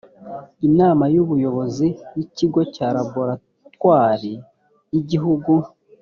inama y ubuyobozi y ikigo cya laboratwari y igihugu